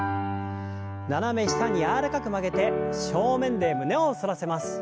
斜め下に柔らかく曲げて正面で胸を反らせます。